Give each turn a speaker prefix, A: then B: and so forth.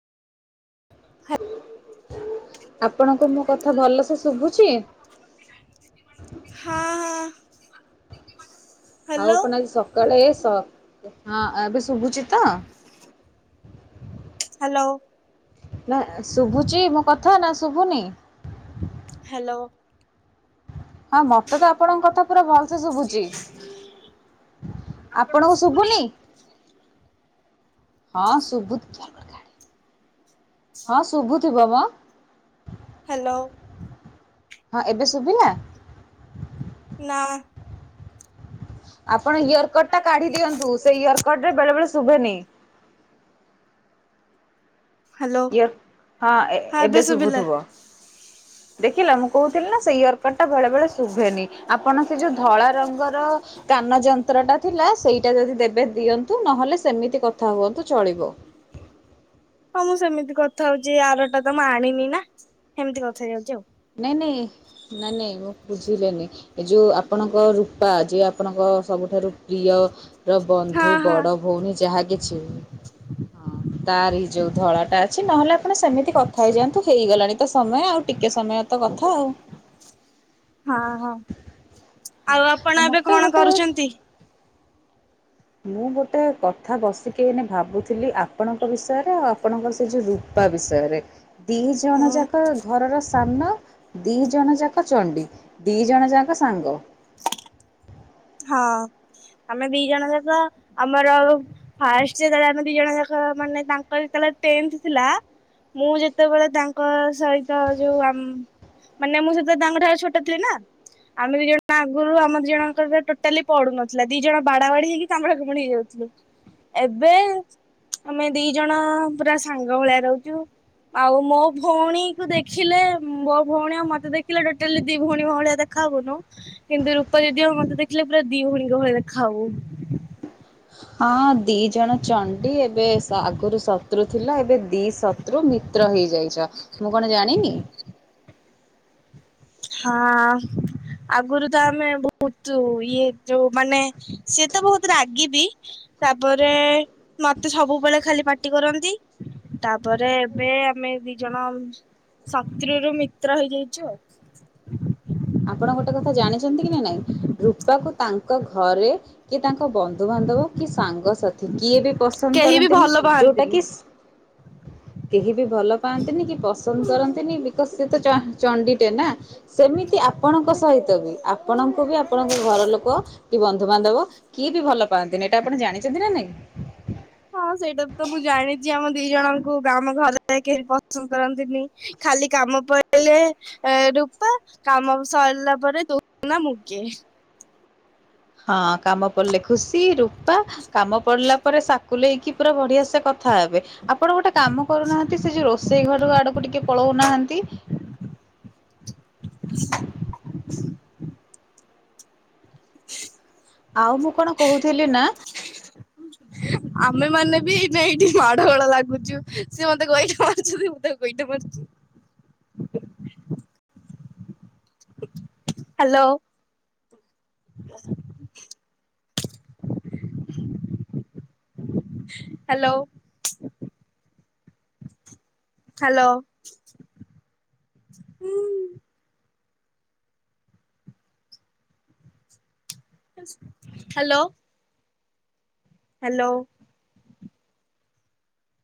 A: ଆପଣଙ୍କୁ ମୋ କଥା ଭଲସେ ଶୁଭୁଛି?
B: ହଁ ହଁ।
A: ଆଉ
B: ହ୍ୟାଲୋ
A: ଆପଣ ଆଜି ସକାଳେ ସ ହଁ ଏବେ ଶୁଭୁଛି ତ?
B: ହାଲୋ।
A: ନା ଶୁଭୁଚି ମୋ କଥା ନା ଶୁଭୁନି?
B: ହାଲୋ।
A: ହଁ ମତେ ତ ଆପଣଙ୍କ କଥା ପୁରା ଭଲ ସେ ଶୁଭୁଚି। ଆପଣଙ୍କୁ ଶୁଭୁନି? ହଁ ସୁବୁଧି? ହଁ ଶୁଭୁଥିବ ମ?
B: ହାଲୋ।
A: ହଁ ଏବେ ଶୁବିଲା?
B: ନା।
A: ଆପଣ ଇୟରକଟ ଟା କାଢି ଦିଅନ୍ତୁ ସେ ଇୟରକଟ ରେ ବେଳେ ବେଳେ ଶୁବେନି।
B: ହ୍ୟାଲୋ
A: ଇର ହଁ ଏବେ ଶୁଭୁଥିବ? ଦେଖିଲ ମୁଁ କହୁଥିଲନା ସେଇ ଇୟର୍କଟ ଟା ବେଳେ ବେଳେ ଶୁଭେନି ଆପଣ ସେ ଯୋଉ ଧଳା ରଙ୍ଗର କାନ ଯନ୍ତ୍ର ଟା ଥିଲା ସେଇଟା ଯଦି ଦେବେ ଦିଅନ୍ତୁ ନହେଲେ ସେମିତି କଥା ହୁଅନ୍ତୁ ଚଳିବ। [inaudible]
B: ହଁ ମୁଁ ସେମିତି କଥା ହଉଚି ଆରଟା ତ ମୁଁ ଆଣିନି ନା ସେମିତି କଥା ହେଇଯାଉଚି ଆଉ।
A: ନାଇଁ ନାଇଁ ନାନୀ ନାଇଁ ମୁଁ ବୁଝିଲେନି। ଏ ଯୋଉ ଆପଣଙ୍କ ରୂପା ଯେ ଆପଣଙ୍କ ସବୁଠାରୁ ପ୍ରିୟର ବନ୍ଧୁ
B: ହଁ ହଁ
A: ବଡ ଭଉଣୀ ଯାହା କିଛି ହଁ ତାର ଏଇ ଯୋଉ ଧଳାଟା ଅଛି ନହେଲେ ଆପଣ ସେମିତି କଥା ହେଇଯାଆନ୍ତୁ ହେଇଗଲାଣି ତ ସମୟ ଆଉ ଟିକେ ସମୟ ତ କଥା ଆଉ।
B: ହଁ ହଁ ଆଉ ଆପଣ ଏବେ
A: ମତେ
B: କଣ
A: ଗୋଟେ
B: କରୁଛନ୍ତି?
A: ମୁଁ ଗୋଟେ କଥା ବସିକିନେ ଭାବୁଥିଲି ଆପଣଙ୍କ ବିଷୟରେ ଆପଣଙ୍କର ସେ ଯେଉଁ ରୁ ପା ବିଷୟରେ ଦି ଜଣ
B: ହୁଁ
A: ଯାକ ଘରର ସାନ ଦି ଜଣ ଯାକ ଚଣ୍ଡୀ ଦି ଜଣ ଯାକ ସାଙ୍ଗ।
B: ହଁ ଆମେ ଦି ଜଣ ଯାକ ଆମର ଫାଷ୍ଟ ସେ ଯେତେବେଳେ ଆମେ ଦି ଜଣ ଯାକ ମାନେ ତାଙ୍କର ଯେତେବେଳେ ଟେନ୍ଥେ ଥିଲା। ମୁଁ ଯେତେବେଳେ ତାଙ୍କ ସହିତ ଯୋଉ ଆମ ମାନେ ମୁଁ ସେତେ ତାଙ୍କ ଠାରୁ ଛୋଟ ଥିଲି ନା ଆମେ ଦି ଜଣ ଆଗରୁ ଆମର ଦି ଜଣଙ୍କର ଟୋଟାଲି ପଡୁ ନଥିଲା ଦି ଜଣ ବାଡା ବାଡି ହେଇକି କାମୁଡା କାମୁଡି ହେଇଯାଉଥିଲୁ ଏବେ ଆମେ ଦି ଜଣ ପୁରା ସାଙ୍ଗ ଭଳିଆ ରହୁଚୁ। ଆଉ ମୋ ଭଉଣୀକୁୁ ଦେଖିଲେ ମୋ ଭଉଣୀ ଆଉ ମତେ ଦେଖିଲେ ଟୋଟାଲି ଦି ଭଉଣୀ ଭଳିଆ ଦେଖ ଖାବୁନୁ କିନ୍ତୁ ରୂପ ଦିଦି ଆଉ ମତେ ଦେଖିଲେ ପୁରା ଦି ଭଉଣୀଙ୍କ ଭଳିଆ ଦେଖାଉ।
A: ହଁ ଊ। ଦୁଇ ଜଣ ଚଣ୍ଡୀ ଏବେ ସା ଆଗରୁ ଶତ୍ରୁ ଥିଲା ଏବେ ଦୁଇ ଶତ୍ରୁ ମିତ୍ର ହେଇଯାଇଚ। ମୁଁ କଣ ଜାଣିନି।
B: ହଁ। ଆଗରୁ ତ ଆମେ ବୋହୁତ ଇଏ ଯୋଉ ମାନେ ସିଏ ତ ବୋହୁତ ରାଗି ବି। ତାପରେ ମତେ ସବୁବେଳେ ଖାଲି ପାଟି କରନ୍ତି। ତାପରେ ଏବେ ଆମେ ଦିଇ ଜଣ ଶତ୍ରୁରୁ ମିତ୍ର ହେଇଯାଇଚୁ ଆଉ। [inaudible]
A: ଆପଣ ଗୋଟେ କଥା ଜାଣିଚନ୍ତି କି ନା ନାଇଁ ରୂପାକୁ ତା ତାଙ୍କ ଘରେ କି ତାଙ୍କ ବନ୍ଧୁବାନ୍ଧବ କି ସାଙ୍ଗସଥି କିଏ ବି ପସନ୍ଦ
B: କେହି ବି
A: କରନ୍ତିନି
B: ଭଲ
A: ଯୋଉଟା
B: ପାଆନ୍ତିନି।
A: କି କେହି ବି ଭଲ ପାଆନ୍ତିନି କି ପସନ୍ଦ କରନ୍ତିନି ବିକଜ ସେ ତ ଚ ଚଣ୍ଡିଟେ ନା ସେମିତି ଆପଣଙ୍କ ସହିତ ବି ଆପଣଙ୍କୁ ବି ଆପଣଙ୍କ ଘର ଲୋକ କି ବନ୍ଧୁବାନ୍ଧବ କିଏ ବି ଭଲ ପାଆନ୍ତିନି ଏଟା ଆପଣ ଜାଣିଚନ୍ତି ନା ନାଇଁ?
B: ହଁ ସେଇଟା ତ ମୁଁ ଜାଣିଚି ଆମ ଦିଇ ଜଣଙ୍କୁ ଗା ଆମ ଘରେ କେହି ବି ପସନ୍ଦ କରନ୍ତିନି। ଖାଲି କାମ ପ‌ଇଲେ ଏ ରୂପା କାମ ସ‌ଇଲା ପରେ ତୁ କିଏ ନା ମୁଁ କିଏ।
A: ହଁ କାମ ପଡିଲେ ଖୁସି ରୂପା କାମ ପଡିଲା ପରେ ଫୁଲେଇକି ପୁରା ବଢିଆ ସେ କଥା ହେବେ। ଆପଣ ଗୋଟେ କାମ କରୁନାହାନ୍ତି। ସେ ଯୋଉ ରୋଷେଇ ଘର ଆଡକୁ ଟିକେ ପଳଉନାହାନ୍ତି।
B: [inaudible] [inaudible]
A: ଆଉ ମୁଁ କଣ କୋହୁଥିଲି ନା।
B: ଆମେ ମାନେ ବି ନେଏଇଠି ମାଡ ଗୋଳ ଲାଗୁଚୁ। ସିଏ ମତେ ଗୋଇଠା ମାରୁଚନ୍ତି ମୁଁ ତା ଗୋଇଠା ମାରୁଚି। ହାଲୋ। [inaudible] ହାଲୋ। ହାଲୋ ହୁଁ। [inaudible] ହାଲୋ। ହ୍ୟାଲୋ।